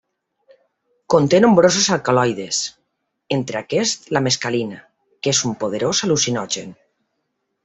Conté nombrosos alcaloides, entre aquests la mescalina, que és un poderós al·lucinogen.